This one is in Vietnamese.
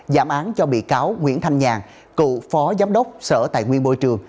giảm án cho bị cáo nguyễn thanh nhàn cựu phó giám đốc sở tại nguyên bôi trường